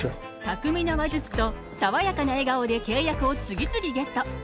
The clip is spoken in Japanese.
巧みな話術と爽やかな笑顔で契約を次々ゲット！